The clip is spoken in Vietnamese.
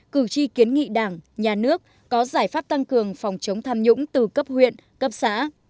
cử tri kiến nghị đảng nhà nước có giải pháp tăng cường phòng chống tham nhũng từ cấp huyện cấp xã